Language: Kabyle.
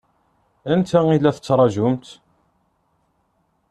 Anta i la tettṛaǧumt?